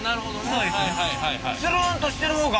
そうです。